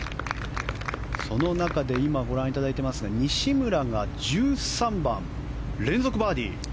その中で今ご覧いただいていますが西村が１３番連続バーディー。